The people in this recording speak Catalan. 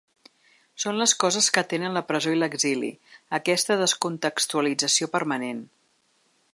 Són les coses que tenen la presó i l’exili: aquesta ‘descontextualització’ permanent.